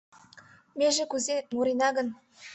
Меже кузе мурена гын